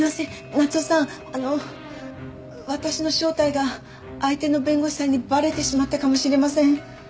夏雄さんあの私の正体が相手の弁護士さんにバレてしまったかもしれません。